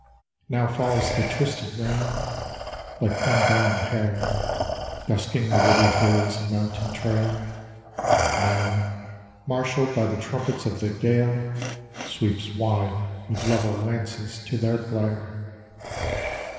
Now falls the twisted rain, like unbound hair, Dusking the wooded hills and mountain trail, Now, marshalled by the trumpets of the gale, Sweeps wide with level lances to their blare.